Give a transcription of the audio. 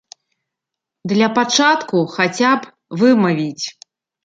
Для пачатку хаця б вымавіць.